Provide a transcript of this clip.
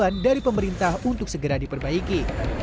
bantuan dari pemerintah untuk segera diperbaiki